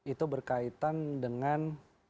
itu berkaitan dengan